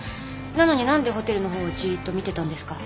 なのに何でホテルのほうをじーっと見てたんですか？